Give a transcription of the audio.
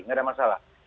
nggak ada masalah